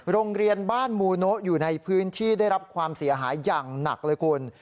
โรงเรียนบ้านมูโนะอยู่ในพื้นที่ได้รับความเสียหายอย่างหนักเลยคุณ